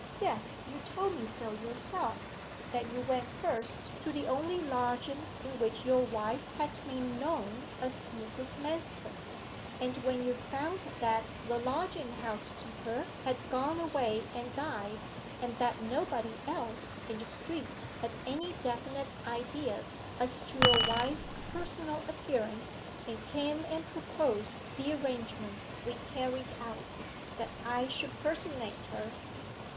'Yes, you told me so yourself that you went first to the only lodging in which your wife had been known as Mrs. Manston, and when you found that the lodging house keeper had gone away and died, and that nobody else in the street had any definite ideas as to your wife's personal appearance, and came and proposed the arrangement we carried out that I should personate her.